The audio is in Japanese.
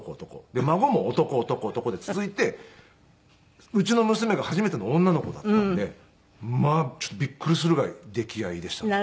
で孫も男男男で続いてうちの娘が初めての女の子だったんでまあびっくりするぐらい溺愛でしたね。